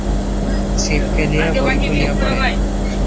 ছিপ ফেলিয়া বই খুলিয়া পড়ে।